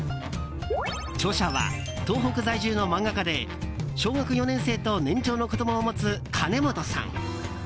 著者は東北在住の漫画家で小学４年生と年長の子供を持つかねもとさん。